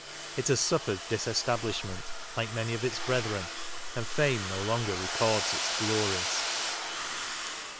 It has suffered disestablishment, like many of its brethren, and Fame no longer records its glories.